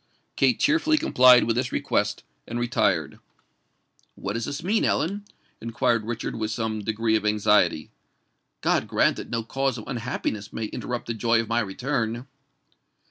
Kate cheerfully complied with this request, and retired. "What does this mean, Ellen?" inquired Richard with some degree of anxiety. "God grant that no cause of unhappiness may interrupt the joy of my return!"